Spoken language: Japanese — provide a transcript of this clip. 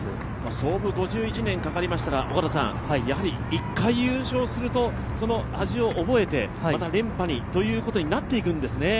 創部から５１年かかりましたが、一回優勝するとその味を覚えてまた連覇にということになっていくんですね。